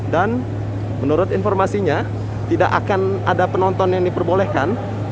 dan menurut informasinya tidak akan ada penonton yang diperbolehkan